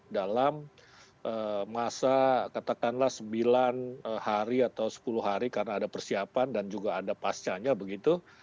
dalam masa katakanlah sembilan hari atau sepuluh hari karena ada persiapan dan juga ada pascanya begitu